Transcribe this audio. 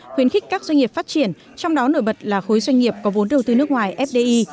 khuyến khích các doanh nghiệp phát triển trong đó nổi bật là khối doanh nghiệp có vốn đầu tư nước ngoài fdi